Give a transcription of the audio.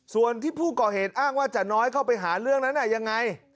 ส่วนที่ผู้ก่อเหตุอ้างว่าจะน้อยเข้าไปหาเรื่องนั้นยังไง